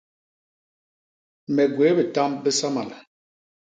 Me gwéé bitamb bisamal.